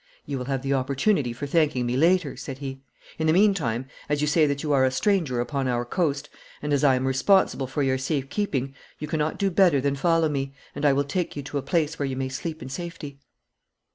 'You will have the opportunity for thanking me later,' said he. 'In the meantime, as you say that you are a stranger upon our coast, and as I am responsible for your safe keeping, you cannot do better than follow me, and I will take you to a place where you may sleep in safety.'